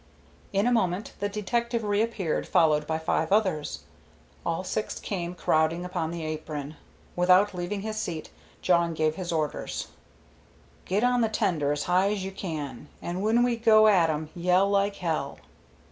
In a moment the detective reappeared followed by five others. All six came crowding upon the apron. Without leaving his seat Jawn gave his orders, "Get on the tender, as high up as you can, and when we go at 'em, yell like hell."